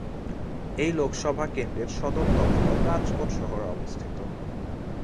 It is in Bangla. এই লোকসভা কেন্দ্রের সদর দফতর রাজকোট শহরে অবস্থিত।